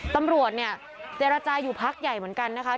ตำรวจเนี่ยเจรจาอยู่พักใหญ่เหมือนกันนะคะ